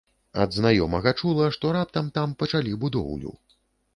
Ад знаёмага чула, што раптам там пачалі будоўлю.